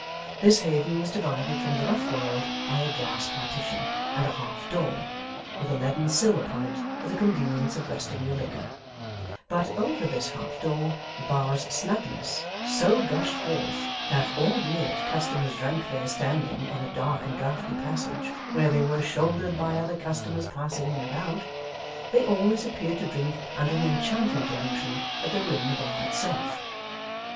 This haven was divided from the rough world by a glass partition and a half door, with a leaden sill upon it for the convenience of resting your liquor; but, over this half door the bar's snugness so gushed forth that, albeit customers drank there standing, in a dark and draughty passage where they were shouldered by other customers passing in and out, they always appeared to drink under an enchanting delusion that they were in the bar itself.